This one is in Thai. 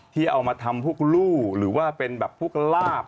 ที่เอามาทำพวกลู่หรือว่าเป็นแบบพวกลาบ